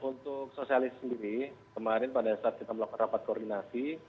untuk sosialis sendiri kemarin pada saat kita melakukan rapat koordinasi